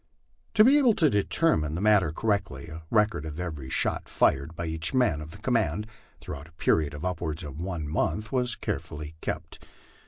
To be able to determine the matter correctly, a record of every shot fired by each man of the command, throughout a period of upwards of one month, was carefully kept.